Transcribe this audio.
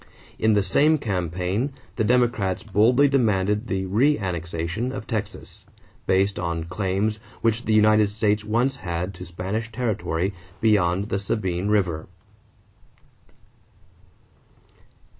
In the same campaign, the Democrats boldly demanded the "Reannexation of Texas," based on claims which the United States once had to Spanish territory beyond the Sabine River.